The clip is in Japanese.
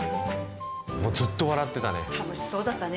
もうずっと笑ってたね。